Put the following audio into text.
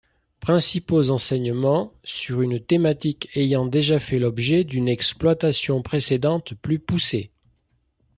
Principaux enseignements sur une thématique ayant déjà fait l’objet d’une exploitation précédente plus poussée.